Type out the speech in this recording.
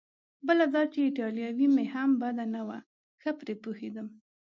بله دا چې ایټالوي مې هم بده نه وه، ښه پرې پوهېدم.